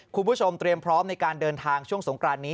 คุณผู้ชมเตรียมพร้อมในการเดินทางช่วงสงกรานนี้